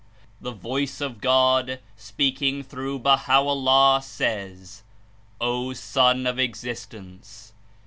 The voice of God, speaking through Baha' o'llah, says: "O Son of Existence!